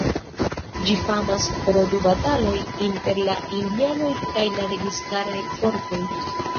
Ĝi famas pro du bataloj inter la indianoj kaj la registaraj fortoj.